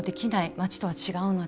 町とは違うので。